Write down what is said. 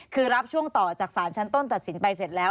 คือรับช่วงต่อจากศาลชั้นต้นตัดสินไปเสร็จแล้ว